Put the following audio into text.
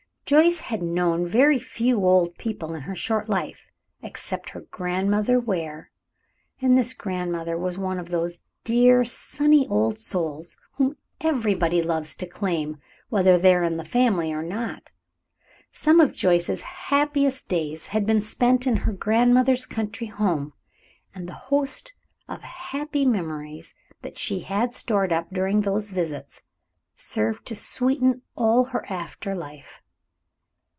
Joyce had known very few old people in her short life, except her Grandmother Ware; and this grandmother was one of those dear, sunny old souls, whom everybody loves to claim, whether they are in the family or not. Some of Joyce's happiest days had been spent in her grandmother's country home, and the host of happy memories that she had stored up during those visits served to sweeten all her after life.